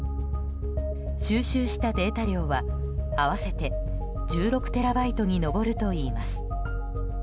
収集したデータ量は合わせて１６テラバイトに上るといいます。